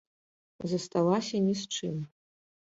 Засталася ні з чым.